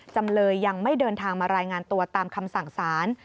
จำเลยยังไม่เดินทางมารายงานตัวตามคำสั่งสาร